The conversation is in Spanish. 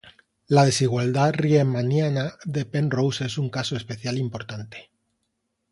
La desigualdad riemanniana de Penrose es un caso especial importante.